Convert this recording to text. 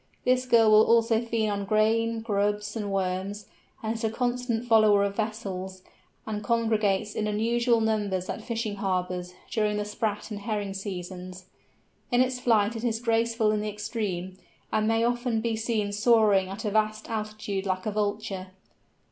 This Gull will also feed on grain, grubs, and worms, is a constant follower of vessels, and congregates in unusual numbers at fishing harbours during the sprat and herring seasons. In its flight it is graceful in the extreme, and it may often be seen soaring at a vast altitude like a Vulture.